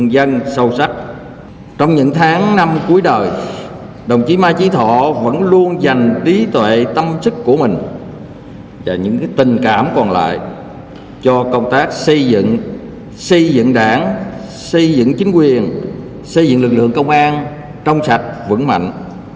đồng chí mai trí thọ vẫn luôn dành tí tuệ tâm sức của mình và những tình cảm còn lại cho công tác xây dựng xây dựng đảng xây dựng chính quyền xây dựng lực lượng công an trong sạch vững mạnh